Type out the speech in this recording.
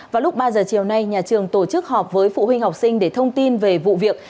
vào lúc ba giờ chiều nay nhà trường tổ chức họp với phụ huynh học sinh để thông tin về vụ việc